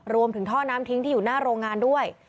รวมถึงท่อน้ำทิ้งที่อยู่หน้าโรงงานด้วย